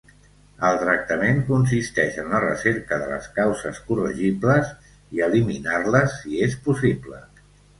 El tractament consisteix en la recerca de les causes corregibles i eliminar-les si és possible.